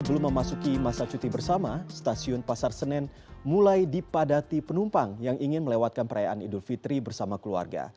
sebelum memasuki masa cuti bersama stasiun pasar senen mulai dipadati penumpang yang ingin melewatkan perayaan idul fitri bersama keluarga